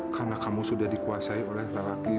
karena kamu sudah dikuasai oleh lelaki